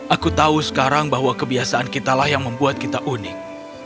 aku tahu sekarang bahwa kebiasaan kitalah yang membuat kita unik